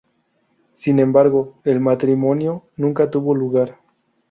Sin embargo, el matrimonio nunca tuvo lugar.